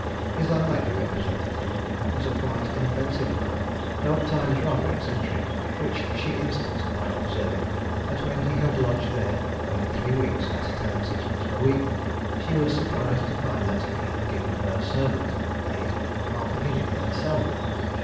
His landlady represented him as a quiet inoffensive man, though at times rather eccentric, which she instanced by observing, that when he had lodged there only three weeks, at 10_s._ 6_d._ per week, she was surprised to find that he had given her servant maid half a guinea for herself.